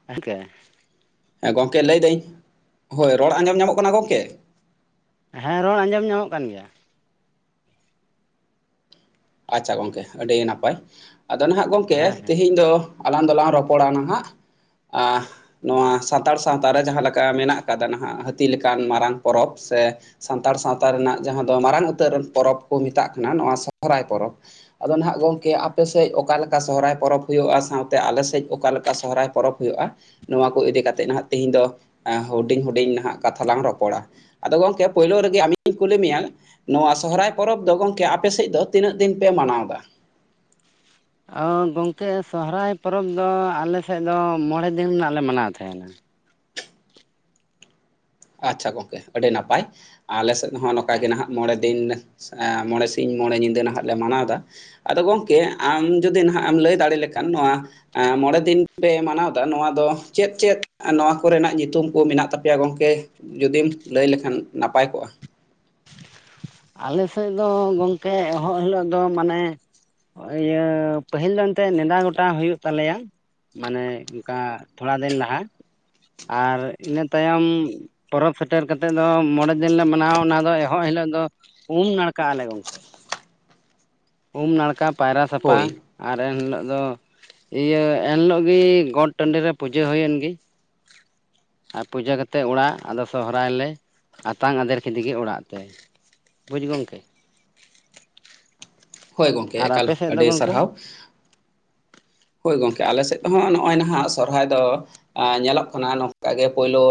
[unintelligible] ᱦᱮᱸ ᱜᱚᱢᱠᱮ ᱞᱟᱹᱭᱫᱟᱹᱧ ᱦᱳᱭ ᱨᱚᱲ ᱟᱸᱡᱚᱢ ᱧᱟᱢᱚᱜ ᱠᱟᱱᱟ ᱜᱚᱢᱠᱮ? ᱦᱮᱸ ᱨᱚᱲ ᱟᱸᱡᱚᱢ ᱧᱟᱢᱚᱜ ᱠᱟᱱ ᱜᱮᱭᱟ ᱾ ᱟᱪᱪᱷᱟ ᱜᱚᱢᱠᱮ ᱟᱹᱰᱤ ᱱᱟᱯᱟᱭ ᱟᱫᱚ ᱱᱟᱦᱟᱸᱜ ᱜᱚᱢᱠᱮ ᱦᱮᱸ ᱦᱮᱸ ᱛᱮᱦᱮᱧ ᱫᱚ ᱟᱞᱟᱝ ᱫᱚᱞᱟᱝ ᱨᱚᱯᱚᱲᱟ ᱱᱟᱦᱟᱸᱜ ᱟᱸᱜ ᱱᱚᱣᱟ ᱥᱟᱱᱛᱟᱲ ᱥᱟᱶᱛᱟ ᱨᱮ ᱡᱟᱦᱟᱸ ᱞᱮᱠᱟ ᱢᱮᱱᱟᱜ ᱠᱟᱫᱟ ᱱᱟᱦᱟᱸᱜ ᱦᱟᱹᱛᱤ ᱞᱮᱠᱟᱱ ᱢᱟᱨᱟᱝ ᱯᱚᱨᱚᱵᱽ ᱥᱮ ᱥᱟᱱᱛᱟᱲ ᱥᱟᱶᱛᱟ ᱨᱮᱱᱟᱜ ᱡᱟᱦᱟᱸ ᱫᱚ ᱢᱟᱨᱟᱝ ᱩᱛᱟᱹᱨ ᱯᱚᱨᱚᱵᱽ ᱠᱚ ᱢᱮᱛᱟᱜ ᱠᱟᱱᱟ ᱱᱚᱣᱟ ᱥᱚᱦᱚᱨᱟᱭ ᱯᱚᱨᱚᱵᱽ, ᱟᱫᱚ ᱦᱟᱸᱜ ᱜᱚᱝᱠᱮ ᱟᱯᱮᱥᱮᱫ ᱚᱠᱟ ᱞᱮᱠᱟ ᱥᱚᱦᱚᱨᱟᱭ ᱯᱚᱨᱚᱵᱽ ᱦᱩᱭᱩᱜᱼᱟ ᱥᱟᱶᱛᱮ ᱟᱞᱮᱥᱮᱫ ᱚᱠᱟᱞᱮ ᱞᱮᱠᱟ ᱥᱚᱦᱚᱨᱟᱭ ᱯᱚᱨᱚᱵᱽ ᱦᱩᱭᱩᱜᱼᱟ, ᱱᱚᱣᱟ ᱠᱚ ᱤᱫᱤ ᱠᱟᱛᱮᱜ ᱱᱟᱦᱟᱸᱜ ᱛᱤᱦᱤᱧ ᱫᱚ ᱦᱩᱰᱤᱧ ᱦᱩᱰᱤᱧ ᱱᱟᱦᱟᱸᱜ ᱠᱟᱛᱷᱟ ᱞᱟᱝ ᱨᱚᱯᱚᱲᱟ ᱾ ᱟᱫᱚ ᱜᱚᱢᱠᱮ ᱯᱳᱭᱞᱳ ᱨᱮᱜᱮ ᱟᱢᱤᱧ ᱠᱩᱞᱤ ᱢᱮᱭᱟ ᱱᱚᱣᱟ ᱥᱚᱦᱚᱨᱟᱭ ᱯᱚᱨᱚᱵᱽ ᱫᱚ ᱜᱚᱢᱠᱮ ᱟᱯᱮ ᱥᱮᱫ ᱫᱚ ᱛᱤᱱᱟᱹᱜ ᱫᱤᱱ ᱯᱮ ᱢᱟᱱᱟᱣ ᱫᱟ? ᱚ ᱜᱚᱝᱠᱮ ᱥᱚᱦᱚᱨᱟᱭ ᱯᱚᱨᱚᱵᱽ ᱫᱚ ᱟᱞᱮ ᱥᱮᱫ ᱫᱚ ᱢᱚᱬᱮ ᱫᱤᱱ ᱨᱮᱱᱟᱜ ᱞᱮ ᱢᱟᱱᱟᱣ ᱛᱟᱦᱮᱸᱱᱟ ᱾ ᱟᱪᱪᱷᱟ ᱜᱚᱝᱠᱮ ᱟᱹᱰᱤ ᱱᱟᱯᱟᱭ ᱟᱞᱮ ᱥᱮᱫ ᱦᱚᱸ ᱱᱚᱝᱠᱟ ᱦᱮᱸ ᱜᱮ ᱱᱟᱦᱟᱸᱜ ᱢᱚᱬᱮ ᱫᱤᱱ ᱮᱸ ᱢᱚᱬᱮ ᱥᱤᱧ ᱢᱚᱬᱮ ᱧᱤᱫᱟᱹ ᱱᱟᱦᱟᱸᱜ ᱞᱮ ᱢᱟᱱᱟᱣᱫᱟ, ᱟᱫᱚ ᱜᱚᱝᱠᱮ ᱟᱢ ᱡᱩᱫᱤ ᱱᱟᱦᱟᱸᱜ ᱮᱢ ᱞᱟᱹᱭ ᱫᱟᱲᱮ ᱞᱮᱠᱷᱟᱱ ᱱᱚᱣᱟ ᱮᱸ ᱢᱚᱬᱮ ᱫᱤᱱ ᱯᱮ ᱢᱟᱱᱟᱣ ᱫᱟ ᱱᱚᱣᱟ ᱫᱚ ᱪᱮᱫ-ᱪᱮᱫ ᱱᱚᱣᱟ ᱠᱚᱨᱮᱱᱟᱜ ᱧᱩᱛᱩᱢ ᱠᱚ ᱢᱮᱱᱟᱜ ᱛᱟᱯᱮᱭᱟ ᱜᱚᱢᱠᱮ ᱡᱩᱫᱤᱢ ᱞᱟᱹᱭ ᱞᱮᱠᱷᱟᱱ ᱱᱟᱯᱟᱭ ᱠᱚᱜᱼᱟ ᱾ ᱟᱞᱮ ᱥᱮᱫ ᱫᱚ ᱜᱚᱝᱠᱮ ᱮᱦᱚᱵ ᱦᱤᱞᱳᱜ ᱫᱚ ᱢᱟᱱᱮ ᱤᱭᱟᱹ ᱯᱟᱹᱦᱤᱞ ᱫᱚ ᱮᱱᱛᱮᱫ ᱱᱮᱰᱟ ᱜᱚᱴᱟ ᱦᱩᱭᱩᱜ ᱛᱟᱞᱮᱭᱟ, ᱢᱟᱱᱮ ᱚᱝᱠᱟ ᱛᱷᱚᱲᱟ ᱫᱤᱱ ᱞᱟᱦᱟ ᱟᱨ ᱤᱱᱟᱹ ᱛᱟᱭᱚᱢ ᱯᱚᱨᱚᱵᱽ ᱥᱮᱴᱮᱨ ᱠᱟ ᱠᱟᱛᱮᱫ ᱫᱚ ᱢᱚᱬᱮ ᱫᱤᱱ ᱞᱮ ᱢᱟᱱᱟᱣᱟ ᱚᱱᱟ ᱫᱚ ᱮᱦᱚᱵ ᱦᱤᱞᱳᱜ ᱫᱚ ᱩᱢ ᱱᱟᱲᱠᱟᱜ ᱟᱞᱮ ᱜᱚᱝᱠᱮ ᱾ ᱩᱢ ᱱᱟᱲᱠᱟ ᱯᱟᱭᱨᱟ ᱥᱟᱯᱷᱟ ᱦᱳᱭ ᱟᱨ ᱮᱱᱦᱤᱞᱚᱜᱞᱜ ᱫᱚ ᱤᱭᱟᱹ ᱮᱱᱦᱤᱞᱚᱜ ᱜᱮ ᱜᱚᱴ ᱴᱟᱺᱰᱤᱨ ᱨᱮ ᱯᱩᱡᱟᱹ ᱦᱩᱭᱮᱱ ᱜᱤ, ᱟᱨ ᱯᱩᱡᱟᱹ ᱠᱟᱛᱮᱜ ᱚᱲᱟᱜ ᱟᱫᱚ ᱥᱚᱦᱨᱟᱭ ᱞᱮ ᱟᱛᱟᱝ ᱟᱫᱮᱨ ᱠᱮᱫᱤ ᱜᱮ ᱚᱲᱟᱜ ᱛᱮ᱾ ᱵᱩᱡᱽ ᱜᱚᱝᱠᱮ᱾ ᱦᱳᱭ ᱜᱚᱝᱠᱮ ᱟᱨ ᱮᱠᱟᱞ ᱟᱯᱮ ᱥᱮᱫ ᱫᱚ ᱟᱹᱰᱤ ᱜᱚᱢᱠᱮ ᱥᱟᱨᱦᱟᱣ᱾ ᱦᱳᱭ ᱜᱚᱝᱠᱮ ᱟᱞᱮ ᱥᱮᱜ ᱫᱚ ᱦᱚᱜ ᱱᱚᱜᱚᱭ ᱱᱟᱦᱟᱜ ᱥᱚᱨᱦᱟᱭ ᱫᱚ ᱟ ᱧᱮᱞᱚᱜ ᱠᱟᱱᱟ ᱱᱚᱝᱠᱟᱜᱮ ᱯᱳᱭᱞᱳ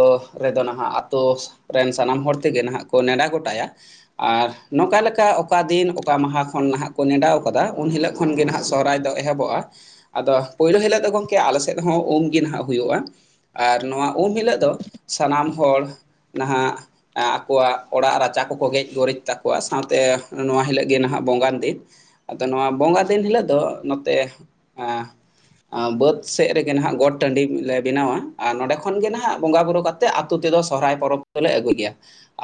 ᱨᱮᱫᱚ ᱱᱟᱦᱟᱜ ᱟᱛᱳ ᱨᱮᱱ ᱥᱟᱱᱟᱢ ᱦᱚᱲ ᱛᱮᱜᱮ ᱱᱟᱦᱟᱜ ᱳ ᱱᱮᱰᱟ ᱜᱚᱴᱟᱭᱟ᱾ ᱟᱨ ᱱᱚᱝᱠᱟ ᱞᱮᱠᱟ ᱚᱠᱟ ᱫᱤᱱ ᱚᱠᱟ ᱢᱟᱦᱟ ᱠᱷᱚᱱ ᱱᱟᱦᱟᱜ ᱠᱚ ᱱᱮᱰᱟᱣ ᱟᱠᱟᱫᱟ ᱩᱱ ᱦᱤᱞᱳᱜ ᱠᱷᱚᱱ ᱜᱮ ᱱᱟᱦᱟᱜ ᱥᱚᱦᱚᱨᱟᱭ ᱫᱚ ᱮᱦᱚᱵᱚᱜ-ᱟ᱾ ᱟᱫᱚ ᱯᱳᱭᱞᱳ ᱦᱤᱞᱳᱜ ᱫᱚ ᱜᱚᱝᱠᱮ ᱟᱞᱮ ᱥᱮᱜ ᱦᱚᱸ ᱩᱢ ᱜᱤ ᱱᱟᱦᱟᱜ ᱦᱩᱭᱩᱜ-ᱟ᱾ ᱟᱨ ᱱᱚᱣᱟ ᱩᱢ ᱦᱤᱞᱳᱜ ᱫᱚ ᱥᱟᱱᱟᱢ ᱦᱚᱲ ᱱᱟᱦᱟᱜ ᱟᱠᱚᱣᱟᱜ ᱚᱲᱟᱜ ᱨᱟᱪᱟ ᱠᱚᱠᱚ ᱜᱮᱡ ᱜᱩᱨᱤᱡ ᱛᱟᱠᱚᱣᱟ ᱥᱟᱶᱛᱮ ᱱᱚᱣᱟ ᱦᱤᱞᱟᱹᱜ ᱜᱮ ᱱᱟᱦᱟᱜ ᱵᱚᱸᱜᱟᱱ ᱫᱤᱱ᱾ ᱟᱫᱚ ᱱᱚᱣᱟ ᱵᱚᱸᱜᱟ ᱫᱤᱱ ᱦᱤᱞᱳᱜ ᱫᱚ ᱱᱚᱛᱮ ᱵᱟᱹᱫᱽ ᱥᱮᱜ ᱨᱮᱜᱮ ᱱᱟᱦᱟᱜ ᱜᱚᱴ ᱴᱟᱺᱰᱤ ᱞᱮ ᱵᱮᱱᱟᱣᱟ ᱟᱨ ᱱᱚᱸᱰᱮ ᱠᱷᱚᱱᱜᱮ ᱱᱟᱦᱟᱜ ᱵᱚᱸᱜᱟ ᱵᱩᱨᱩ ᱠᱟᱛᱮ ᱛᱮ ᱟᱛᱳ ᱛᱮᱫᱚ ᱥᱚᱨᱚᱨᱟᱭ ᱯᱚᱨᱚᱵᱽ ᱫᱚᱞᱮ ᱟᱹᱜᱩᱭ ᱜᱮᱭᱟ᱾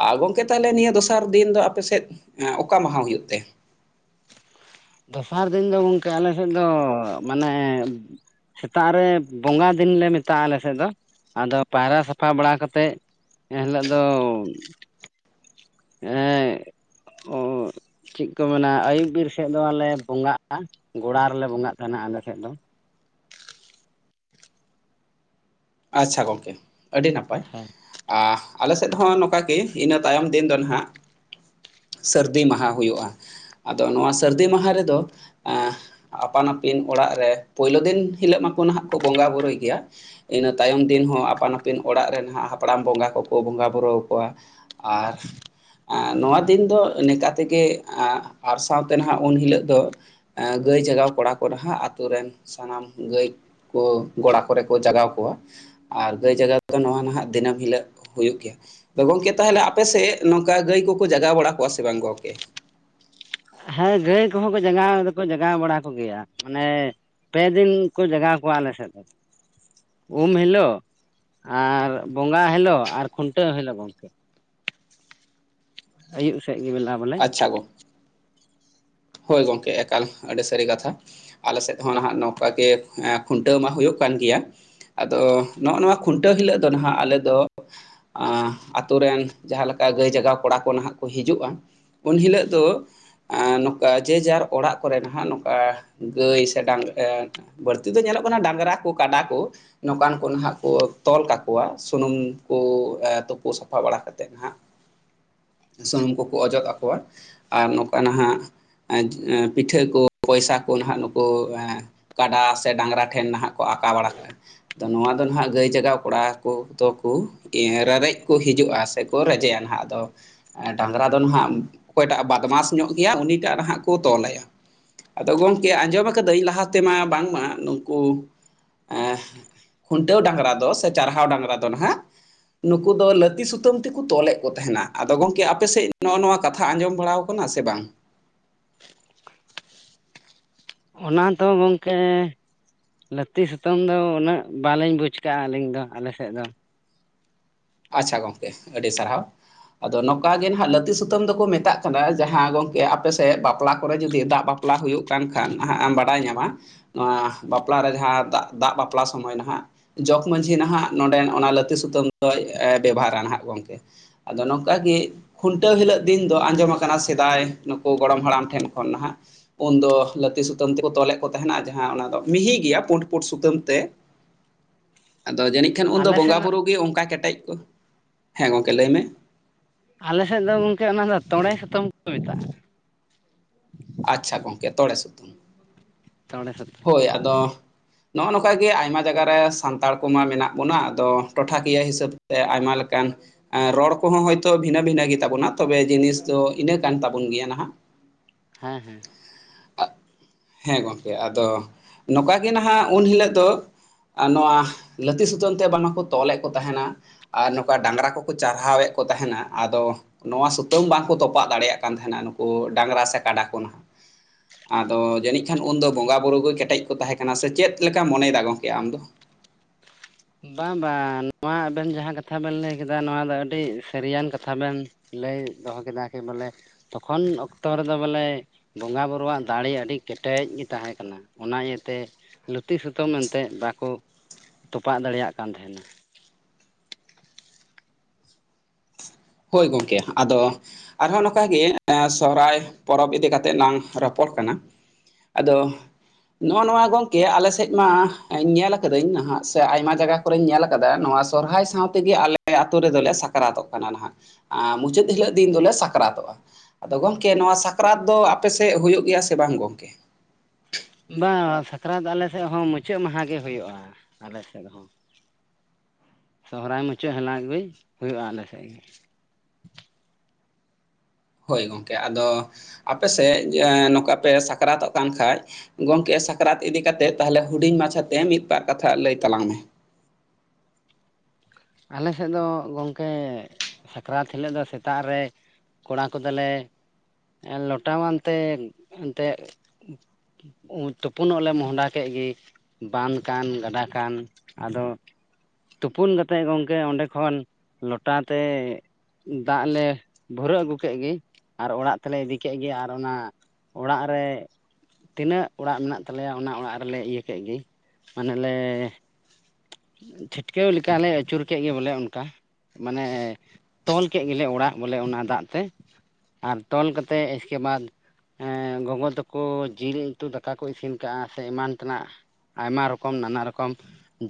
ᱟᱨ ᱜᱚᱝᱠᱮ ᱛᱟᱦᱚᱞᱮ ᱱᱤᱭᱟᱹ ᱫᱚᱥᱟᱨ ᱫᱤᱱ ᱫᱚ ᱟᱯᱮ ᱥᱮᱫ ᱚᱠᱟ ᱢᱟᱦᱟ ᱦᱩᱭᱩᱜ ᱛᱮ? ᱫᱚᱥᱟᱨ ᱫᱤᱱ ᱫᱚ ᱜᱚᱝᱠᱮ ᱟᱞᱮ ᱥᱮᱫ ᱫᱚ ᱢᱟᱱᱮ ᱥᱮᱛᱟᱜ ᱨᱮ ᱵᱚᱸᱜᱟ ᱫᱤᱱ ᱞᱮ ᱢᱮᱛᱟᱜᱼᱟ ᱟᱞᱮ ᱥᱮᱫ ᱫᱚ ᱟᱫᱚ ᱯᱟᱭᱨᱟ ᱥᱟᱯᱷᱟ ᱵᱟᱲᱟ ᱠᱟᱛᱮᱜ ᱮᱱ ᱦᱤᱞᱳᱜ ᱫᱚ ᱮᱸᱜ [inaudible] ᱪᱮᱜ ᱠᱚ ᱢᱮᱱᱟ ᱟᱹᱭᱩᱵ ᱵᱤᱨ ᱥᱮᱫ ᱫᱚ ᱟᱞᱮ ᱵᱚᱸᱜᱟᱜᱼᱟ ᱜᱚᱲᱟ ᱨᱮᱞᱮ ᱵᱚᱸᱜᱟᱜ ᱛᱟᱦᱮᱸᱱᱟ ᱟᱞᱮ ᱥᱮᱫ ᱫᱚ᱾ ᱟᱪᱪᱷᱟ ᱜᱚᱢᱠᱮ ᱟᱹᱰᱤ ᱱᱟᱯᱟᱭ᱾ ᱟᱻ ᱟᱞᱮ ᱥᱮᱫ ᱦᱚᱸᱼᱚ ᱱᱚᱝᱠᱟ ᱜᱮ ᱤᱱᱟᱹ ᱛᱟᱭᱚᱢ ᱫᱤᱱ ᱫᱚ ᱱᱟᱦᱟᱸᱜ ᱥᱟᱹᱨᱫᱤ ᱢᱟᱦᱟ ᱦᱩᱭᱩᱜᱼᱟ, ᱟᱫᱚ ᱱᱚᱣᱟ ᱥᱟᱹᱨᱫᱤ ᱢᱟᱦᱟ ᱨᱮᱫᱚ ᱟᱯᱟᱱ ᱟᱹᱯᱤᱱ ᱚᱲᱟᱜ ᱨᱮ ᱯᱳᱭᱞᱳ ᱫᱤᱱ ᱦᱤᱞᱳᱜ ᱢᱟᱠᱚ ᱱᱟᱦᱟᱸᱜ ᱢᱟᱠᱚ ᱵᱚᱸᱜᱟ-ᱵᱩᱨᱩᱭ ᱜᱮᱭᱟ ᱤᱱᱟᱹ ᱛᱟᱭᱚᱢ ᱫᱤᱱ ᱦᱚᱸ ᱟᱯᱟᱱ ᱟᱹᱯᱤᱱ ᱚᱲᱟᱜ ᱨᱮᱱ ᱦᱟᱸᱜ ᱦᱟᱯᱲᱟᱢ ᱵᱚᱸᱜᱟ ᱠᱚᱠᱚ ᱵᱚᱸᱜᱟ-ᱵᱩᱨᱩ ᱟᱠᱚᱣᱟ ᱟᱡ ᱮᱸ ᱱᱚᱣᱟ ᱫᱤᱱ ᱫᱚ ᱱᱮᱠᱟ ᱛᱮᱜᱮ ᱟᱨ ᱥᱟᱶᱛᱮ ᱱᱟᱦᱟᱸᱜ ᱩᱱ ᱦᱤᱞᱳᱜ ᱫᱚ ᱜᱟᱹᱭ ᱡᱟᱜᱟᱣ ᱠᱚᱲᱟ ᱠᱚᱫᱚ ᱦᱟᱜ ᱟᱛᱳ ᱨᱮᱱ ᱥᱟᱱᱟᱢ ᱜᱟᱹᱭ ᱠᱚ ᱜᱚᱲᱟ ᱠᱚᱨᱮ ᱠᱚ ᱡᱟᱜᱟᱣ ᱠᱚᱣᱟ ᱟᱨ ᱜᱟᱹᱭ ᱡᱟᱜᱟᱣ ᱫᱚ ᱱᱚᱣᱟ ᱱᱟᱦᱟᱜ ᱫᱤᱱᱟᱹᱢ ᱦᱤᱞᱳᱜ ᱦᱩᱭᱩᱜ ᱜᱮᱭᱟ, ᱜᱚᱝᱠᱮ ᱛᱟᱦᱚᱞᱮ ᱟᱯᱮ ᱥᱮᱜ ᱱᱚᱝᱠᱟ ᱜᱟᱹᱭ ᱠᱚᱠᱚ ᱡᱟᱜᱟᱣ ᱵᱟᱲᱟ ᱠᱚᱣᱟ ᱥᱮ ᱵᱟᱝ ᱜᱚᱝᱠᱮ? ᱦᱮᱸ ᱦᱮᱸ ᱜᱟᱹᱭ ᱠᱚᱦᱚᱸ ᱠᱚ ᱡᱟᱜᱟᱣ ᱫᱚᱠᱚ ᱡᱟᱜᱟᱣ ᱵᱟᱲᱟ ᱠᱚ ᱜᱮᱭᱟ ᱢᱟᱱᱮᱼᱼ ᱯᱮ ᱫᱤᱱ ᱠᱚ ᱡᱟᱜᱟᱣ ᱠᱚᱣᱟ ᱟᱞᱮ ᱥᱮᱫ ᱫᱚ᱾ ᱩᱢ ᱦᱤᱞᱳᱜ, ᱟᱨ ᱵᱚᱸᱜᱟ ᱦᱤᱞᱳᱜ, ᱟᱨ ᱠᱷᱩᱱᱴᱟᱹᱣ ᱦᱤᱞᱳᱜ ᱜᱚᱝᱠᱮ᱾ [inaudible] ᱟᱭᱩᱵ ᱥᱮᱫ ᱜᱮ ᱵᱮᱞᱟ ᱵᱟᱱᱩᱼᱼ ᱟᱪᱪᱷᱟ ᱜᱚᱝ, ᱦᱳᱭ ᱜᱚᱝᱠᱮ ᱮᱠᱟᱞ ᱟᱰᱤ ᱥᱟᱨᱤ ᱠᱟᱛᱷᱟᱼᱼ ᱟᱞᱮ ᱥᱮᱫ ᱦᱚᱸ ᱱᱟᱦᱟᱜ ᱱᱚᱝᱠᱟ ᱜᱮ ᱮᱸ ᱠᱷᱩᱱᱴᱟᱹᱣ ᱢᱟ ᱦᱩᱭᱩᱜ ᱠᱟᱱ ᱜᱮᱭᱟ᱾ ᱟᱫᱚ ᱱᱚᱜ ᱱᱚᱣᱟ ᱠᱷᱩᱱᱴᱟᱹᱣ ᱦᱤᱞᱳᱜ ᱫᱚ ᱱᱟᱦᱟᱜ ᱟᱞᱮ ᱫᱚᱼᱼ ᱟᱛᱩ ᱨᱮᱱ ᱡᱟᱦᱟᱸ ᱞᱮᱠᱟ ᱜᱟᱹᱭ ᱡᱟᱜᱟᱣ ᱠᱚᱲᱟ ᱠᱚ ᱱᱟᱦᱟᱜ ᱠᱚ ᱦᱤᱡᱩᱜᱼᱟᱼᱼ ᱩᱱ ᱦᱤᱞᱳᱜ ᱫᱚᱼᱼ ᱟᱸ ᱱᱚᱠᱟ ᱡᱮ ᱡᱟᱨ ᱚᱲᱟᱜ ᱠᱚᱨᱮ ᱱᱟᱦᱟᱜ ᱱᱚᱠᱟ ᱜᱟᱹᱭ ᱥᱮ ᱰᱟᱝᱨᱟᱼᱼ ᱵᱟᱲᱛᱤ ᱫᱚ ᱧᱮᱞᱚᱜ ᱠᱟᱱᱟ ᱰᱟᱸᱜᱽᱨᱟ ᱠᱚ ᱠᱟᱰᱟ ᱠᱚᱼᱼ ᱱᱚᱝᱠᱟᱱ ᱠᱚ ᱱᱟᱦᱟᱸᱜ ᱠᱚ ᱛᱚᱞ ᱠᱟᱠᱚᱣᱟ ᱥᱩᱱᱩᱢ ᱠᱚ ᱛᱩᱯᱩ ᱥᱟᱯᱷᱟ ᱵᱟᱲᱟ ᱠᱟᱛᱮᱫ ᱱᱟᱦᱟᱸᱜ ᱥᱩᱱᱩᱢ ᱠᱚᱠᱚ ᱚᱡᱚᱜ ᱟᱠᱚᱣᱟ, ᱟᱨ ᱱᱚᱝᱠᱟ ᱱᱟᱦᱟᱸᱜ ᱮᱸ ᱮᱸ ᱯᱤᱴᱷᱟᱹ ᱠᱚ ᱯᱚᱭᱥᱟ ᱠᱚ ᱱᱟᱦᱟᱸᱜ ᱱᱩᱠᱩ ᱠᱟᱰᱟ ᱥᱮ ᱰᱟᱝᱨᱟ ᱴᱷᱮᱱ ᱱᱟᱦᱟᱸᱜ ᱠᱚ ᱟᱠᱟ ᱵᱟᱲᱟ ᱠᱟᱜᱼᱟ᱾ ᱟᱫᱚ ᱱᱚᱣᱟ ᱫᱚ ᱱᱟᱦᱟᱸᱜ ᱜᱟᱹᱭ ᱡᱟᱜᱟᱣ ᱠᱚᱲᱟ ᱠᱚᱫᱚ ᱠᱚ ᱤᱭᱟᱹ ᱨᱮᱻᱨᱮᱡ ᱠᱚ ᱦᱤᱡᱩᱜᱼᱟ ᱥᱮᱠᱚ ᱨᱮᱡᱮᱭᱟ ᱱᱟᱦᱟᱸᱜ ᱟᱫᱚ ᱰᱟᱝᱨᱟ ᱫᱚ ᱱᱟᱦᱟᱸᱜ ᱚᱠᱚᱭᱴᱟᱜ ᱵᱟᱫᱢᱟᱥ ᱧᱚᱜ ᱜᱮᱭᱟ ᱩᱱᱤᱴᱟᱜ ᱱᱟᱦᱟᱸᱜ ᱠᱚ ᱛᱚᱞᱟᱭᱟ᱾ ᱟᱫᱚ ᱜᱚᱝᱠᱮ ᱟᱸᱡᱚᱢ ᱠᱟᱹᱫᱟᱹᱧ ᱞᱟᱦᱟ ᱛᱮᱢᱟ ᱵᱟᱝᱢᱟ ᱱᱩᱝᱠᱩ ᱮᱸ ᱠᱷᱩᱱᱴᱟᱹᱣ ᱰᱟᱝᱨᱟ ᱫᱚ ᱥᱮ ᱪᱟᱨᱦᱟᱣ ᱰᱟᱝᱨᱟ ᱫᱚ ᱱᱟᱦᱟᱸᱜ ᱱᱩᱠᱩ ᱫᱚ ᱞᱟᱹᱛᱤ ᱥᱩᱛᱟᱹᱢ ᱛᱮᱠᱚ ᱛᱚᱞᱮᱜ ᱠᱚ ᱛᱟᱦᱮᱸᱱᱟ ᱟᱫᱚ ᱜᱚᱝᱠᱮ ᱟᱯᱮᱥᱮᱜ ᱱᱚᱜᱼᱚ ᱱᱚᱣᱟ ᱠᱟᱛᱷᱟ ᱟᱸᱡᱚᱢ ᱵᱟᱲᱟᱣ ᱠᱟᱱᱟ ᱥᱮ ᱵᱟᱝ? ᱚᱱᱟ ᱫᱚ ᱜᱚᱝᱠᱮ ᱞᱟᱹᱛᱤ ᱥᱩᱛᱟᱹᱢ ᱫᱚ ᱩᱱᱟᱹᱜ ᱵᱟᱹᱞᱤᱧ ᱵᱩᱡᱽ ᱠᱟᱜᱼᱟ ᱟᱹᱞᱤᱧ ᱫᱚ ᱟᱞᱮᱥᱮᱫ ᱫᱚ᱾ ᱟᱪᱪᱷᱟ ᱜᱚᱝᱠᱮ ᱟᱹᱰᱤ ᱥᱟᱨᱦᱟᱣ᱾ ᱟᱫᱚ ᱱᱚᱠᱟ ᱜᱮ ᱱᱟᱜ ᱞᱟᱹᱛᱤ ᱥᱩᱛᱟᱹᱢ ᱫᱚᱠᱚ ᱢᱮᱛᱟᱜ ᱠᱟᱱᱟ ᱡᱟᱦᱟᱸ ᱜᱚᱝᱠᱮ ᱟᱯᱮᱥᱮᱫ ᱵᱟᱯᱞᱟ ᱠᱚᱨᱮ ᱡᱩᱫᱤ ᱫᱟᱜ ᱵᱟᱯ ᱵᱟᱯᱞᱟ ᱦᱩᱭᱩᱜ ᱠᱟᱱ ᱠᱷᱟᱱ ᱦᱟᱸᱜ ᱮᱢ ᱵᱟᱰᱟᱭ ᱧᱟᱢᱟ᱾ ᱱᱚᱣᱟ ᱵᱟᱯᱞᱟ ᱨᱮ ᱡᱟᱦᱟᱸ ᱫᱟᱜ ᱫᱟᱜ ᱵᱟᱯᱞᱟ ᱥᱚᱢᱚᱭ ᱱᱟ ᱦᱟᱸᱜ ᱡᱚᱜᱽ ᱢᱟᱺᱡᱷᱤ ᱱᱟᱦᱜ ᱱᱚᱸᱰᱮᱱ ᱚᱱᱟ ᱞᱟᱹᱛᱤ ᱥᱩᱛᱟᱹᱢ ᱫᱚᱭ ᱵᱮᱵᱷᱟᱨᱟᱱᱟᱜ ᱜᱚᱝᱠᱮ᱾ ᱟᱫᱚ ᱱᱚᱝᱠᱟ ᱜᱮ ᱠᱷᱩᱱᱴᱟᱹᱣ ᱦᱤᱞᱳᱜ ᱫᱤᱱ ᱫᱚ ᱟᱸᱡᱚᱢ ᱟᱠᱟᱱᱟ ᱥᱮᱫᱟᱭ ᱱᱩᱠᱩ ᱜᱚᱲᱚᱢ ᱦᱟᱲᱟᱢ ᱴᱷᱮᱱ ᱠᱷᱚᱱ ᱱᱟᱦᱟᱜ᱾ ᱩᱱ ᱫᱚ ᱞᱟᱹᱛᱤ ᱥᱩᱛᱟᱹᱢ ᱛᱮᱠᱚ ᱛᱚᱞᱮᱫ ᱠᱚ ᱛᱟᱦᱮᱱᱟ ᱟᱨ ᱡᱟᱦᱟᱸ ᱚᱱᱟ ᱫᱚ ᱢᱤᱦᱤ ᱜᱮᱭᱟ ᱯᱩᱸᱰ ᱯᱩᱸᱰ ᱥᱩᱛᱟᱹᱢ ᱛᱮ ᱟᱫᱚ ᱡᱟᱹᱱᱤᱡ ᱩᱱᱫᱚ ᱟᱞᱮ ᱵᱚᱸᱜᱟ ᱥᱮᱫ ᱫᱚ ᱵᱩᱨᱩ ᱜᱮ ᱚᱝᱠᱟ ᱠᱮᱴᱮᱡ ᱠᱚ, ᱦᱮᱸ ᱜᱚᱝᱠᱮ ᱞᱟᱹᱭ ᱢᱮ ᱟᱞᱮ ᱥᱮᱫ ᱫᱚ ᱜᱚᱝᱠᱮ ᱚᱱᱟ ᱫᱚ ᱛᱚᱸᱲᱮ ᱥᱩᱛᱟᱹᱢ ᱠᱚ ᱢᱮᱛᱟᱜᱼᱟ, ᱟᱪᱪᱷᱟ ᱜᱚᱝᱠᱮ ᱛᱚᱲᱮ ᱥᱩᱛᱩᱢ᱾ ᱛᱚᱸᱲᱮ ᱥᱩᱛ ᱦᱳᱭ ᱟᱫᱚ ᱱᱚᱜᱼᱚ ᱱᱚᱝᱠᱟ ᱜᱮ ᱟᱭᱢᱟ ᱡᱟᱭᱜᱟ ᱨᱮ ᱥᱟᱱᱛᱟᱲ ᱠᱚᱢᱟ ᱢᱮᱱᱟᱜ ᱵᱚᱱᱟ ᱟᱫᱚ, ᱴᱚᱴᱷᱟ ᱠᱤᱭᱟᱹ ᱦᱤᱥᱟᱹᱵᱽ ᱛᱮ ᱟᱭᱢᱟ ᱞᱮᱠᱟᱱ ᱮᱸ ᱨᱚᱲ ᱠᱚᱦᱚᱸ ᱦᱚᱳᱭᱛᱳ ᱵᱷᱤᱱᱟᱹ ᱵᱷᱤᱱᱟᱹ ᱜᱮ ᱛᱟᱵᱚᱱᱟ ᱛᱚᱵᱮ ᱡᱤᱱᱤᱥ ᱫᱚ ᱤᱱᱟᱹ ᱠᱟᱱ ᱛᱟᱵᱚᱱ ᱜᱮᱭᱟ ᱱᱟᱦᱟᱜ᱾ ᱦᱮᱸ ᱦᱮᱸ᱾ ᱟᱜ ᱦᱮᱸ ᱜᱚᱝᱠᱮ ᱟᱫᱚ ᱱᱚᱠᱟ ᱜᱮ ᱱᱟᱦᱟᱜ ᱩᱱ ᱦᱤᱞᱳᱜ ᱫᱚ ᱟ-ᱱᱚᱣᱟ ᱞᱟᱹᱛᱤ ᱥᱩᱛᱟᱹᱢ ᱛᱮ ᱵᱟᱝᱢᱟᱠᱚ ᱛᱚᱞᱮᱜ ᱠᱚ ᱛᱟᱦᱮᱱᱟ᱾ ᱟᱨ ᱱᱚᱝᱠᱟ ᱰᱟᱝᱨᱟ ᱠᱚᱠᱚ ᱪᱟᱨᱦᱟᱣᱮᱜ ᱠᱚ ᱛᱟᱦᱮᱱᱟ ᱟᱫᱚ ᱱᱚᱣᱟ ᱥᱩᱛᱟᱹᱢ ᱵᱟᱝᱠᱚ ᱛᱚᱯᱟᱜ ᱫᱟᱲᱮᱭᱟᱜ ᱠᱟᱱ ᱛᱟᱦᱮᱱᱟ ᱱᱩᱠᱩ ᱰᱟᱝᱨᱟ ᱥᱮ ᱠᱟᱰᱟ ᱠᱚ ᱱᱟᱦᱟᱜ᱾ ᱟᱫᱚ ᱡᱟᱹᱱᱤᱡ ᱠᱷᱟᱱ ᱩᱱᱫᱚ ᱵᱚᱸᱜᱟ ᱵᱩᱨᱩ ᱠᱚ ᱠᱮᱴᱮᱡ ᱠᱚ ᱛᱟᱦᱮᱸ ᱠᱟᱱᱟ ᱥᱮ ᱪᱮᱫ ᱞᱮᱠᱟᱢ ᱢᱚᱱᱮᱭᱫᱟ ᱜᱚᱝᱠᱮ ᱟᱢᱫᱚ? ᱵᱟᱝ ᱵᱟᱝ ᱱᱚᱣᱟ ᱟᱵᱮᱱ ᱡᱟᱦᱟᱸ ᱠᱟᱛᱷᱟ ᱵᱮᱱ ᱞᱟᱹᱭ ᱠᱮᱫᱟ ᱱᱚᱣᱟ ᱫᱚ ᱟᱹᱰᱤ ᱥᱟᱹᱨᱤᱭᱟᱱ ᱠᱟᱛᱷᱟ ᱵᱮᱱ ᱞᱟᱹᱭ ᱫᱚᱦᱚ ᱠᱮᱫᱟ ᱠᱤ ᱵᱚᱞᱮ ᱛᱚᱠᱷᱚᱱ ᱚᱠᱛᱚ ᱨᱮᱫᱚ ᱵᱚᱞᱮ ᱵᱚᱸᱜᱟ ᱵᱩᱨᱩᱣᱟᱜ ᱫᱟᱲᱮ ᱟᱹᱰᱤ ᱠᱮᱴᱮᱡ ᱜᱮ ᱛᱟᱦᱮᱸ ᱠᱟᱱᱟ ᱚᱱᱟ ᱤᱭᱟᱹᱛᱮ ᱞᱩᱛᱤ ᱥᱩᱛᱟᱹᱢ ᱢᱮᱛᱮ ᱵᱟᱠᱚ ᱛᱚᱯᱟᱜ ᱫᱟᱲᱮᱭᱟᱜ ᱠᱟᱱ ᱛᱟᱦᱮᱱᱟ᱾ ᱦᱳᱭ ᱜᱚᱝᱠᱮ ᱟᱫᱚ ᱟᱨᱦᱚᱸ ᱱᱚᱠᱟᱜᱮ ᱮᱸ ᱥᱚᱦᱚᱨᱟᱭ ᱯᱚᱨᱚᱵᱽ ᱤᱫᱤ ᱠᱟᱛᱮᱜ ᱞᱟᱝ ᱨᱚᱯᱚᱲ ᱠᱟᱱᱟ᱾ ᱟᱫᱚ ᱱᱚᱜᱼ ᱱᱚᱣᱟ ᱜᱚᱝᱠᱮ ᱟᱞᱮᱥᱮᱜ ᱢᱟ ᱧᱮᱞᱟ ᱠᱟᱹᱫᱟᱹᱧ ᱱᱟᱦᱟᱜ ᱥᱮ ᱟᱭᱢᱟ ᱡᱟᱭᱜᱟ ᱠᱚᱨᱮᱧ ᱧᱮᱞ ᱟᱠᱟᱫᱟ ᱱᱚᱣᱟ ᱥᱚᱨᱦᱟᱭ ᱥᱟᱶᱛᱮᱜᱮ ᱟᱞᱮ ᱟᱛᱳ ᱨᱮᱫᱚᱞᱮ ᱥᱟᱠᱨᱟᱛᱚᱜ ᱠᱟᱱᱟ ᱱᱟᱦᱟᱜ᱾ ᱟᱸ ᱢᱩᱪᱟᱹᱫ ᱦᱤᱞᱳᱜ ᱫᱤᱱ ᱫᱚᱞᱮ ᱥᱟᱠᱨᱟᱛᱚᱜᱼᱟ᱾ ᱟᱫᱚ ᱜᱚᱝᱠᱮ ᱱᱚᱣᱟ ᱥᱟᱠᱨᱟᱛ ᱫᱚ ᱟᱯᱮᱥᱮᱜ ᱦᱩᱭᱩᱜ ᱜᱮᱭᱟ ᱥᱮ ᱵᱟᱝ ᱜᱚᱝᱠᱮ? ᱵᱟᱝ ᱥᱟᱠᱨᱟᱛ ᱟᱞᱮᱥᱮ ᱦᱚᱸ ᱢᱩᱪᱟᱹᱫ ᱢᱟᱦᱟ ᱜᱮ ᱦᱩᱭᱩᱜᱼᱟ, ᱟᱞᱮ ᱥᱮᱫ ᱦᱚᱸ᱾ ᱥᱚᱦᱚᱨᱟᱭ ᱢᱩᱪᱟᱹᱜ ᱞᱟᱜᱵᱮ ᱦᱩᱭᱩᱜᱼᱟ ᱟᱞᱮᱥᱮᱫ ᱜᱮ᱾ ᱦᱳᱭ ᱜᱚᱝᱠᱮ ᱟᱫᱚ ᱟᱯᱮᱥᱮᱜ ᱮᱸ ᱱᱚᱠᱟ ᱯᱮ ᱥᱟᱠᱨᱟᱛᱚᱜ ᱠᱟᱱ ᱠᱷᱟᱡ ᱜᱚᱝᱠᱮ ᱥᱟᱠᱨᱟᱛ ᱤᱫᱤ ᱠᱟᱛᱮ ᱛᱟᱦᱚᱞᱮ ᱦᱩᱰᱤᱧ ᱢᱟᱪᱷᱟ ᱛᱮ ᱢᱤᱫᱵᱟᱨ ᱠᱟᱛᱷᱟ ᱞᱟᱹᱭ ᱛᱟᱞᱟᱝ ᱢᱮ᱾ ᱟᱞᱮ ᱥᱮᱫ ᱫᱚ ᱜᱚᱝᱠᱮ ᱥᱟᱠᱨᱟᱛ ᱦᱤᱞᱳᱜ ᱫᱚ ᱥᱮᱛᱟᱜ ᱨᱮ ᱠᱚᱲᱟ ᱠᱚᱫᱚᱞᱮ ᱞᱚᱴᱟᱣᱟᱱ ᱛᱮ ᱮᱱᱛᱮᱜ ᱩᱸ ᱛᱩᱯᱩᱱᱚᱜ ᱞᱮ ᱢᱚᱦᱚᱰᱟ ᱠᱮᱜ ᱜᱮ ᱵᱟᱸᱫᱷ ᱠᱟᱱ, ᱜᱟᱰᱟ ᱠᱟᱱ ᱟᱫᱚ ᱛᱩᱯᱩᱱ ᱜᱟᱹᱛ ᱛᱮ ᱜᱚᱝᱠᱮ ᱚᱸᱰᱮ ᱠᱷᱚᱱ ᱞᱚᱴᱟ ᱛᱮ ᱫᱟᱜ ᱞᱮ ᱵᱷᱩᱨᱟᱹᱜ ᱟᱹᱜᱩ ᱠᱮᱫ ᱜᱮ ᱟᱨ ᱚᱲᱟᱜ ᱛᱮᱞᱮ ᱤᱫᱤ ᱠᱮᱫ ᱜᱮ ᱟᱨ ᱚᱱᱟ ᱚᱲᱟᱜ ᱨᱮ ᱛᱤᱱᱟᱹᱜ ᱚᱲᱟᱜ ᱢᱮᱱᱟᱜ ᱛᱟᱞᱮᱭᱟ ᱚᱱᱟ ᱚᱲᱟᱜ ᱨᱮᱞᱮ ᱤᱭᱟᱹ ᱠᱮᱫ ᱜᱮ, ᱢᱟᱱᱮᱞ ᱞᱮ ᱪᱷᱟᱹᱴᱠᱟᱹᱣ ᱞᱮᱠᱟᱞᱮ ᱟᱹᱪᱩᱨ ᱠᱮᱫ ᱜᱮ ᱵᱚᱞᱮ ᱚᱱᱠᱟ᱾ ᱢᱟᱱᱮ ᱛᱚᱞ ᱠᱮᱫ ᱜᱮᱞᱮ ᱚᱲᱟᱜ ᱵᱚᱞᱮ ᱚᱱᱟ ᱫᱟᱜ ᱛᱮ᱾ ᱟᱨ ᱛᱚᱞ ᱠᱟᱛᱮᱫ ᱤᱥᱠᱮ ᱵᱟᱫ ᱮᱸ ᱜᱚᱜᱚ ᱛᱟᱠᱚ ᱡᱤᱞ ᱩᱛᱩ ᱫᱟᱠᱟ ᱠᱚ ᱤᱥᱤᱱ ᱠᱟᱜ-ᱟ, ᱥᱮ ᱮᱢᱟᱱ ᱛᱮᱱᱟᱜ᱾ ᱟᱭᱢᱟ ᱨᱚᱠᱚᱢ, ᱱᱟᱱᱟ ᱨᱚᱠᱚᱢ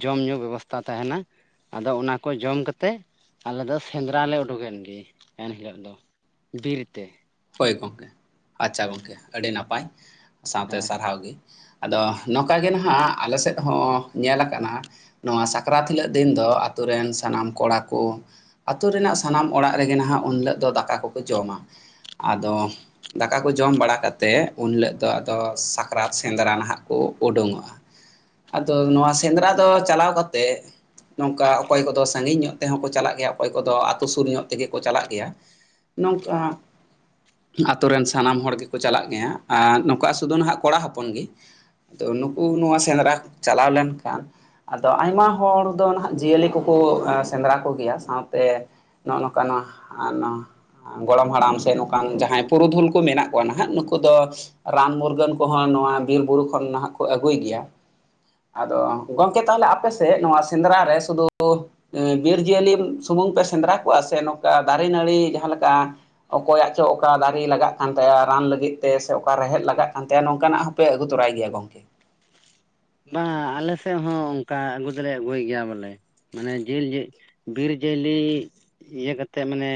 ᱡᱚᱢ ᱧᱩ ᱵᱮᱵᱚᱥᱛᱷᱟ ᱛᱟᱦᱮᱱᱟ᱾ ᱟᱫᱚ ᱚᱱᱟ ᱠᱚ ᱡᱚᱢ ᱠᱟᱛᱮ ᱟᱞᱮ ᱫᱚ ᱥᱮᱸᱫᱽᱨᱟ ᱞᱮ ᱩᱰᱩᱠᱮᱱ ᱜᱮ ᱮᱱᱦᱤᱞᱳᱜ ᱫᱚ᱾ ᱵᱤᱨ ᱛᱮ᱾ ᱦᱳᱭ ᱜᱚᱢᱠᱮ, ᱟᱪᱪᱷᱟ ᱜᱚᱢᱠᱮ, ᱟᱹᱰᱤ ᱱᱟᱯᱟᱭ ᱥᱟᱶᱛᱮ ᱥᱟᱨᱦᱟᱣ ᱜᱮ᱾ ᱟᱫᱚ ᱱᱚᱝᱠᱟ ᱜᱮ ᱱᱟᱦᱟᱜ ᱟᱞᱮ ᱥᱮᱫ ᱦᱚᱸ ᱧᱮᱞ ᱟᱠᱟᱱᱟ ᱱᱚᱣᱟ ᱥᱟᱠᱨᱟᱛ ᱦᱤᱞᱳᱜ ᱫᱤᱱ ᱫᱚ ᱟᱛᱳ ᱨᱮᱱ ᱥᱟᱱᱟᱢ ᱠᱚᱲᱟ ᱠᱚ ᱟᱹᱛᱩ ᱨᱮᱱᱟᱜ ᱥᱟᱱᱟᱢ ᱚᱲᱟᱜ ᱨᱮᱜᱮ ᱱᱟᱦᱟᱜ ᱩᱱᱦᱤᱞᱳᱜ ᱫᱚ ᱫᱟᱠᱟ ᱠᱚᱠᱚ ᱡᱚᱢᱟ, ᱟᱫᱚ ᱫᱟᱠᱟ ᱠᱚ ᱡᱚᱢ ᱵᱟᱲᱟ ᱠᱟᱛᱮ ᱩᱱ ᱦᱤᱞᱳᱜ ᱫᱚ ᱟᱫᱚ ᱥᱟᱠᱨᱟᱛ ᱥᱮᱸᱫᱽᱨᱟ ᱱᱟᱦᱟᱜ ᱠᱚ ᱩᱰᱩᱝᱚᱜᱼᱟ᱾ ᱟᱫᱚ ᱱᱚᱣᱟ ᱥᱮᱸᱫᱽᱨᱟ ᱫᱚ ᱪᱟᱞᱟᱣ ᱠᱟᱛᱮᱜ ᱱᱚᱝᱠᱟ ᱚᱠᱚᱭ ᱠᱚᱫᱚ ᱥᱟᱺᱜᱤᱧ ᱧᱚᱜ ᱛᱮᱦᱚᱸ ᱠᱚ ᱪᱟᱞᱟᱜ ᱜᱮᱭᱟ, ᱚᱠᱚᱭ ᱠᱚᱫᱚ ᱟᱹᱛᱩ ᱥᱩᱨ ᱧᱚᱜ ᱛᱮᱜᱮ ᱠᱚ ᱪᱟᱞᱟᱜ ᱜᱮᱭᱟ᱾ ᱱᱚᱝᱠᱟ ᱟᱛᱳ ᱨᱮᱱ ᱥᱟᱱᱟᱢ ᱦᱚᱲ ᱜᱮᱠᱚ ᱪᱟᱞᱟᱜ ᱜᱮᱭᱟ, ᱟ ᱱᱚᱝᱠᱟ-ᱟ ᱥᱩᱫᱩ ᱱᱟᱦᱟᱸᱜ ᱠᱚᱲᱟ ᱦᱚᱯᱚᱱ ᱜᱮ᱾ ᱛᱚ ᱱᱩᱠᱩ ᱱᱚᱣᱟ ᱥᱮᱸᱫᱽᱨᱟ ᱪᱟᱞᱟᱣ ᱞᱮᱱᱠᱷᱟᱱ ᱟᱫᱚ ᱟᱭᱢᱟ ᱦᱚᱲ ᱫᱚ ᱱᱟᱦᱟᱜ ᱡᱤᱭᱟᱹᱞᱤ ᱠᱚᱠᱚ ᱮᱸ ᱥᱮᱸᱫᱽᱨᱟ ᱠᱚᱜᱮᱭᱟ ᱥᱟᱶᱛᱮ ᱱᱚᱜᱼᱚ ᱱᱚᱝᱠᱟ ᱱᱚᱣᱟ ᱟ ᱱᱚᱣᱟ ᱜᱚᱲᱚᱢ ᱦᱟᱲᱟᱢ ᱥᱮ ᱱᱚᱝ ᱵᱟᱝ ᱡᱟᱦᱟᱸᱭ ᱯᱩᱨᱩᱫᱷᱩᱞ ᱠᱚ ᱢᱮᱱᱟᱜ ᱠᱚᱣᱟ ᱱᱟᱦᱟᱜ ᱱᱩᱠᱩ ᱫᱚ ᱨᱟᱱ ᱢᱩᱨᱜᱟᱹᱱ ᱠᱚᱦᱚᱸ ᱱᱚᱣᱟ ᱵᱤᱨ ᱵᱩᱨᱩ ᱠᱷᱚᱱ ᱱᱟᱦᱟᱜ ᱠᱚ ᱟᱹᱜᱩᱭ ᱜᱮᱭᱟ᱾ ᱟᱫᱚ ᱜᱚᱢᱠᱮ ᱛᱟᱦᱚᱞᱮ ᱟᱯᱮ ᱥᱮᱫ ᱱᱚᱣᱟ ᱥᱮᱸᱫᱽᱨᱟ ᱨᱮ ᱥᱩᱫᱩ ᱮᱸ ᱵᱤᱨ ᱡᱤᱭᱟᱹᱞᱤ ᱥᱩᱢᱩᱝ ᱯᱮ ᱥᱮᱸᱫᱽᱨᱟ ᱠᱚᱣᱟ ᱥᱮ ᱱᱚᱝᱠᱟ ᱫᱟᱨᱮ ᱱᱟᱹᱲᱤ ᱡᱟᱦᱟᱸᱠᱟ ᱚᱠᱚᱭᱟᱜ ᱛᱚ ᱚᱠᱟ ᱫᱟᱨᱮ ᱞᱟᱜᱟᱜ ᱠᱟᱱ ᱛᱟᱭᱟ ᱨᱟᱱ ᱞᱟᱹᱜᱤᱫ ᱛᱮ ᱥᱮ ᱚᱠᱟ ᱨᱮᱦᱮᱫ ᱞᱟᱜ ᱠᱟᱱ ᱛᱟᱭᱟ ᱱᱚᱝᱠᱟ ᱱᱟᱜ ᱦᱚᱸᱯᱮ ᱟᱹᱜᱩ ᱛᱚᱨᱟᱭ ᱜᱮᱭᱟ ᱜᱚᱝᱠᱮ? [inaudible] ᱵᱟᱝ ᱟᱞᱮ ᱥᱮᱫ ᱦᱚᱸ ᱚᱱᱠᱟ ᱟᱹᱜᱩ ᱫᱚᱞᱮ ᱟᱹᱜᱩᱭ ᱜᱮᱭᱟ ᱵᱚᱞᱮ᱾ ᱢᱟᱱᱮ ᱡᱤᱞ ᱡᱮᱜ ᱵᱤᱨ ᱡᱤᱭᱟᱹᱞᱤ ᱤᱭᱟᱹ ᱠᱟᱛᱮᱫ ᱢᱟᱱᱮ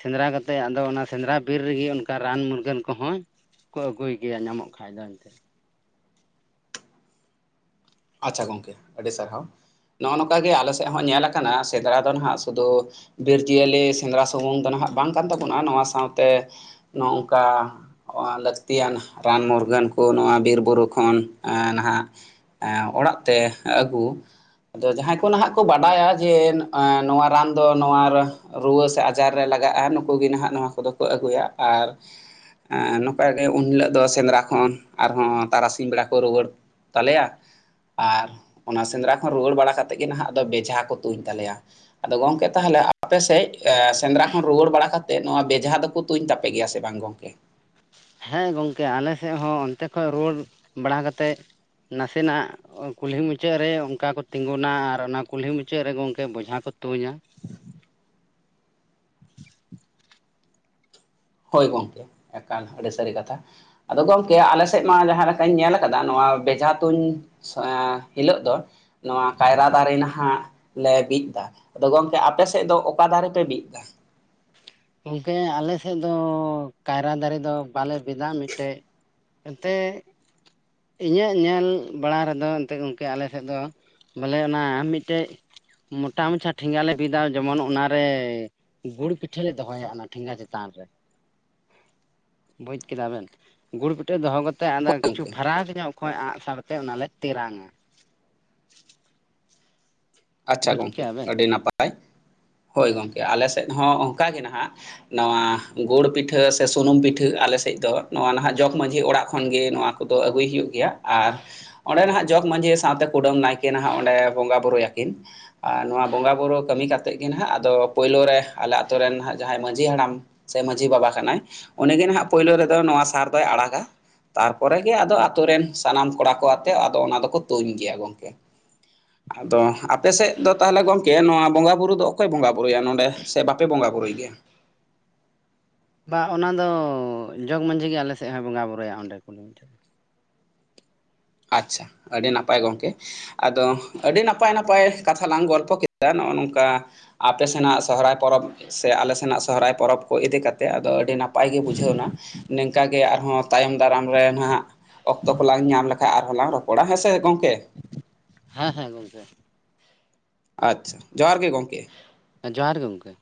ᱥᱮᱸᱫᱽᱨᱟ ᱠᱟᱛᱮᱜ ᱟᱫᱚ ᱚᱱᱟ ᱥᱮᱸᱫᱽᱨᱟ ᱵᱤᱨ ᱨᱮᱜᱮ ᱚᱱᱠᱟ ᱨᱟᱱ ᱢᱩᱨᱜᱟᱹᱱ ᱠᱚᱦᱚᱸ ᱠᱚ ᱟᱹᱜᱩᱭ ᱜᱮᱭᱟ ᱧᱟᱢᱚᱜ ᱠᱷᱟᱱ ᱫᱚ ᱮᱱᱛᱮ᱾ ᱟᱪᱪᱷᱟ ᱜᱚᱝᱠᱮ ᱟᱹᱰᱤ ᱥᱟᱨᱦᱟᱣ, ᱱᱚᱜ-ᱚ ᱱᱚᱝᱠᱟ ᱜᱮ ᱟᱞᱮ ᱥᱮᱫ ᱦᱚᱸ ᱧᱮᱞ ᱟᱠᱟᱱᱟ ᱥᱮᱸᱫᱽᱨᱟ ᱫᱚ ᱱᱟᱦᱟᱜ ᱥᱩᱫᱩ ᱵᱤᱨ ᱡᱤᱭᱟᱹᱞᱤ ᱥᱮᱸᱫᱽᱨᱟ ᱥᱩᱢᱩᱝ ᱫᱚ ᱱᱟᱦᱟᱜ ᱵᱟᱝ ᱠᱟᱱ ᱛᱟᱵᱚᱱᱟ ᱱᱚᱣᱟ ᱥᱟᱶᱛᱮ ᱱᱚ-ᱚᱝᱠᱟ ᱞᱟᱹᱠᱛᱤᱭᱟᱱ ᱨᱟᱱ ᱢᱩᱨᱜᱟᱹᱱ ᱠᱚ ᱱᱚᱣᱟ ᱵᱤᱨ-ᱵᱩᱨᱩ ᱠᱷᱚᱱ ᱮᱹ ᱱᱟᱦᱟᱜ ᱮᱸ ᱚᱲᱟᱜ ᱛᱮ ᱟᱹᱜᱩ ᱟᱫᱚ ᱡᱟᱦᱟᱸᱭ ᱠᱚ ᱱᱟᱦᱟᱜ ᱠᱚ ᱵᱟᱰᱟᱭᱟ ᱡᱮ ᱮᱸ ᱱᱚᱣᱟ ᱨᱟᱱ ᱫᱚ ᱱᱚᱣᱟᱨᱮ ᱨᱩᱣᱟᱹ ᱥᱮ ᱟᱡᱟᱨ ᱨᱮ ᱞᱟᱜᱟᱜᱼᱟ ᱱᱩᱠᱩ ᱜᱮ ᱱᱟᱦᱟᱜ ᱱᱚᱣᱟ ᱠᱚᱫᱚ ᱠᱚ ᱟᱹᱜᱩᱭᱟ᱾ ᱟᱨ ᱮᱸ ᱱᱚᱝᱠᱟ ᱜᱮ ᱩᱱ ᱦᱤᱞᱳᱜ ᱫᱚ ᱥᱮᱸᱫᱽᱨᱟ ᱠᱷᱚᱱ ᱟᱨᱦᱚᱸ ᱛᱟᱨᱟᱥᱤᱧ ᱵᱮᱲᱟ ᱠᱚ ᱨᱩᱣᱟᱹᱲ ᱛᱟᱞᱮᱭᱟ᱾ ᱟᱨ ᱚᱱᱟ ᱥᱮᱸᱫᱽᱨᱟ ᱠᱷᱚᱱ ᱨᱩᱣᱟᱹᱲ ᱵᱟᱲᱟ ᱠᱟᱛᱮᱫ ᱜᱮ ᱱᱟᱦᱟᱜ ᱟᱫᱚ ᱵᱮᱡᱷᱟ ᱠᱚ ᱛᱩᱧ ᱛᱟᱞᱮᱭᱟ᱾ ᱟᱫᱚ ᱜᱚᱝᱠᱮ ᱛᱟᱦᱚᱞᱮ ᱟᱯᱮ ᱥᱮᱡ ᱮ ᱥᱮᱸᱫᱽᱨᱟ ᱠᱷᱚᱱ ᱨᱩᱣᱟᱹᱲ ᱵᱟᱲᱟ ᱠᱟᱛᱮᱫ ᱱᱚᱣᱟ ᱵᱮᱡᱷᱟ ᱫᱚᱠᱚ ᱛᱩᱧ ᱛᱟᱯᱮ ᱜᱮᱭᱟ ᱥᱮ ᱵᱟᱝ ᱜᱚᱝᱠᱮ? ᱦᱮᱸ ᱜᱚᱢᱠᱮ ᱟᱞᱮ ᱥᱮᱫ ᱦᱚᱸ ᱚᱱᱛᱮ ᱠᱷᱚᱡ ᱨᱩᱣᱟᱹᱲ ᱵᱟᱲᱟ ᱠᱟᱛᱮᱫ ᱱᱟᱥᱮ ᱱᱟᱜ ᱠᱩᱞᱦᱤ ᱢᱩᱪᱟᱹᱫ ᱨᱮ ᱚᱱᱠᱟ ᱠᱚ ᱛᱤᱸᱜᱩᱱᱟ ᱟᱨ ᱚᱱᱟ ᱠᱩᱞᱦᱤ ᱢᱩᱪᱟᱹᱫ ᱨᱮ ᱜᱚᱝᱠᱮ ᱵᱚᱡᱷᱟ ᱠᱚ ᱛᱩᱧᱟ᱾ [inaudible] ᱦᱳᱭ ᱜᱚᱢᱠᱮ ᱮᱠᱟᱞ ᱟᱹᱰᱤ ᱥᱟᱹᱨᱤ ᱠᱟᱛᱷᱟ᱾ ᱟᱫᱚ ᱜᱚᱢᱠᱮ ᱟᱞᱮ ᱥᱮᱫ ᱢᱟ ᱡᱟᱦᱟᱸ ᱞᱮᱠᱟᱧ ᱧᱮᱞ ᱠᱟᱫᱟ ᱱᱚᱣᱟ ᱵᱮᱡᱷᱟ ᱛᱩᱧ ᱮᱻ ᱦᱤᱞᱳᱜ ᱫᱚ ᱱᱚᱣᱟ ᱠᱟᱭᱨᱟ ᱫᱟᱨᱮ ᱱᱟᱦᱟᱜ ᱞᱮ ᱵᱤᱫᱽᱫᱟ ᱟᱫᱚ ᱜᱚᱝᱠᱮ ᱟᱯᱮ ᱥᱮᱫ ᱫᱚ ᱚᱠᱟ ᱫᱟᱨᱮ ᱯᱮ ᱵᱤᱫᱽᱫᱟ? ᱜᱚᱢᱠᱮ ᱟᱞᱮ ᱥᱮᱫ ᱫᱚ, ᱠᱟᱭᱨᱟ ᱫᱟᱨᱮ ᱫᱚ ᱵᱟᱞᱮ ᱵᱤᱫᱟ ᱢᱤᱫᱴᱮᱡ᱾ ᱮᱱᱛᱮᱫ ᱤᱧᱟᱹᱜ ᱧᱮᱞ ᱵᱟᱲᱟ ᱨᱮᱫᱚ ᱮᱱᱛᱮᱫ ᱜᱚᱝᱠᱮ ᱟᱞᱮ ᱥᱮᱫ ᱫᱚ᱾ ᱵᱚᱞᱮ ᱚᱱᱟ ᱢᱤᱫᱴᱮᱡ᱾ ᱢᱚᱴᱟ ᱢᱟᱪᱷᱟ ᱴᱷᱮᱸᱜᱟ ᱞᱮ ᱵᱤᱫᱟ ᱡᱮᱢᱚᱱ ᱚᱱᱟᱨᱮ ᱜᱩᱲ ᱯᱤᱴᱷ ᱯᱤᱴᱷᱟᱹ ᱞᱮ ᱫᱚᱦᱚᱸᱭᱟ ᱚᱱᱟ ᱴᱷᱮᱸᱜᱟ ᱪᱮᱛᱟᱱ ᱨᱮ ᱵᱩᱡᱽ ᱠᱮᱫᱟ ᱵᱮᱱ᱾ ᱜᱩᱲ ᱯᱤᱴᱷᱟᱹ ᱫᱚ ᱦᱚᱸ ᱠᱟᱛᱮᱫ ᱟᱫᱚ ᱦᱳᱭ ᱠᱤᱪᱷᱩ ᱜᱚᱢᱠᱮ ᱯᱷᱟᱨᱟᱠ ᱧᱚᱜ ᱠᱷᱚᱡ ᱟᱜ ᱥᱟᱨ ᱛᱮ ᱚᱱᱟᱞᱮ ᱛᱮᱨᱟᱝᱟ᱾ ᱟᱪᱪᱷᱟ ᱵᱩᱡᱽ ᱜᱚᱝᱠᱮ ᱠᱮᱜᱼᱟ ᱵᱮᱱ ᱟᱹᱰᱤ ᱱᱟᱯᱟᱭ ᱦᱳᱭ ᱦᱮᱸ ᱜᱚᱝᱠᱮ ᱟᱞᱮ ᱥᱮᱫ ᱦᱚᱸ ᱚᱱᱠᱟᱜ ᱜᱮ ᱱᱟᱦᱟᱜ᱾ ᱱᱚᱣᱟ ᱜᱩᱲ ᱯᱤᱴᱷᱟᱹ, ᱥᱮ ᱥᱩᱱᱩᱢ ᱯᱤᱴᱷᱟᱹ ᱟᱞᱮ ᱥᱮᱫ ᱫᱚ ᱱᱚᱣᱟ ᱱᱟᱦᱟᱸᱜ ᱡᱚᱜᱽ ᱢᱟᱹᱡᱷᱤ ᱚᱲᱟᱜ ᱠᱷᱚᱱᱜᱮ ᱱᱚᱣᱟᱼᱼ ᱠᱚᱫᱚ ᱟᱹᱜᱩᱭ ᱦᱩᱭᱩᱜ ᱜᱮᱭᱟ, ᱟᱨ ᱚᱸᱰᱮ ᱱᱟᱦᱟᱜ ᱡᱚᱜᱽ ᱢᱟᱺᱡᱷᱤ ᱥᱟᱶᱛᱮ ᱠᱩᱰᱟᱹᱢ ᱱᱟᱭᱠᱮ ᱱᱟᱦᱟᱜ ᱚᱸᱰᱮ ᱵᱚᱸᱜᱟ ᱵᱩᱨᱩ᱾ ᱠᱤᱱ ᱟᱨ ᱱᱚᱣᱟ ᱵᱚᱸᱜᱟ-ᱵᱩᱨᱩ ᱠᱟᱹᱢᱤ ᱠᱟᱛᱮᱫ ᱜᱮ ᱱᱟᱦᱟᱸᱜ ᱟᱫᱚ ᱯᱳᱭᱞᱳ ᱨᱮ ᱟᱞᱮ ᱟᱛᱳ ᱨᱮᱱ ᱦᱟᱸᱜ ᱡᱟᱦᱟᱸᱭ ᱢᱟᱹᱡᱷᱤ ᱦᱟᱲᱟᱢᱼᱼ ᱥᱮ ᱢᱟᱺᱡᱷᱤ ᱵᱟᱵᱟ ᱠᱟᱱᱟᱭ ᱩᱱᱤᱜᱮ ᱱᱟᱦᱟᱜ ᱯᱳᱭᱞᱳ ᱨᱮᱫᱚ ᱱᱚᱣᱟ ᱥᱟᱨ ᱫᱚᱭ ᱟᱲᱟᱜᱟ᱾ ᱛᱟᱨᱯᱚᱨᱮ ᱜᱮ ᱟᱫᱚ ᱟᱛᱳ ᱨᱮᱱ ᱥᱟᱱᱟᱢ ᱠᱚᱲᱟ ᱠᱚ ᱟᱛᱮᱜ ᱟᱫᱚ ᱚᱱᱟ ᱫᱚᱠᱚ ᱛᱩᱧ ᱜᱮᱭᱟ ᱜᱚᱝᱠᱮ᱾ ᱟᱫᱚ, ᱟᱯᱮ ᱥᱮᱫ ᱫᱚ ᱛᱟᱦᱚᱸᱞᱮ ᱜᱚᱢᱠᱮ ᱱᱚᱣᱟ ᱵᱚᱸᱜᱟ ᱵᱩᱨᱩ ᱫᱚ ᱚᱠᱚᱭ ᱵᱚᱸᱜᱟ ᱵᱩᱨᱩᱭᱟ ᱱᱚᱰᱮ ᱥᱮ ᱵᱟᱯᱮ ᱵᱚᱸᱜᱟ ᱵᱩᱨᱩᱭ ᱜᱮᱭᱟ? ᱵᱟ ᱚᱱᱟ ᱫᱚ ᱡᱚᱜᱽ ᱢᱟᱺᱡᱷᱤ ᱜᱮ ᱟᱞᱮ ᱥᱮᱫ ᱦᱚᱸᱭ ᱵᱚᱸᱜᱟ ᱵᱩᱨᱩᱭᱟ ᱚᱸᱰᱮ ᱠᱩᱰᱤᱢ ᱴᱷᱮ ᱟᱪᱪᱷᱟ ᱟᱹᱰᱤ ᱱᱟᱯᱟᱭ ᱜᱚᱝᱠᱮ᱾ ᱟᱫᱚ ᱟᱹᱰᱤ ᱱᱟᱯᱟᱭ ᱱᱟᱯᱟᱭ ᱠᱟᱛᱷᱟ ᱞᱟᱝ ᱜᱚᱞᱯᱷᱚ ᱠᱮᱫᱟ ᱱᱚᱜ-ᱚ ᱱᱚᱝᱠᱟ᱾ ᱟᱯᱮ ᱥᱮᱱᱟᱜ ᱥᱚᱦᱨᱟᱭ ᱯᱚᱨᱚᱵᱽ ᱥᱮ ᱟᱞᱮ ᱥᱮᱱᱟᱜ ᱥᱚᱦᱚᱨᱟᱭ ᱯᱚᱨᱚᱵᱽ ᱠᱚ ᱤᱫᱤ ᱠᱟᱛᱮᱫ ᱟᱫᱚ ᱟᱹᱰᱤ ᱱᱟ ᱯᱟᱭ ᱜᱮ ᱵᱩᱡᱷᱟᱹᱣ ᱮᱱᱟ ᱱᱮᱝᱠᱟ ᱜᱮ ᱟᱨᱦᱚᱸ ᱛᱟᱭᱚᱢ ᱫᱟᱨᱟᱢ ᱨᱮ ᱱᱟᱦᱟᱸᱜ ᱚᱠᱛᱚ ᱠᱚᱞᱟᱝ ᱧᱟᱢ ᱞᱮᱠᱷᱟ ᱟᱨᱦᱚᱸᱞᱟᱝ ᱨᱚᱯᱚᱲᱟ ᱦᱮᱸ ᱥᱮ ᱜᱚᱝᱠᱮ᱾ ᱦᱮᱸ ᱦᱮᱸ ᱜᱚᱝᱠᱮ᱾ ᱟᱪᱪᱷᱟ ᱡᱚᱦᱟᱨ ᱜᱮ ᱜᱚᱝᱠᱮ ᱾ ᱡᱚᱦᱟᱨ ᱜᱮ ᱜᱚᱝᱠᱮ᱾